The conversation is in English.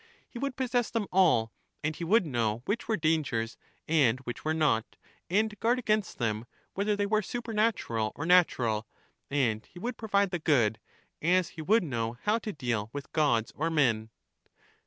He would possess them all, and he would know which were dangers and which were not, and guard against them whether they were supernatural or natural; and he would provide the good, as he would know how to deal with gods or men.